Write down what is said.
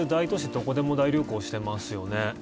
どこでも大流行してますよね。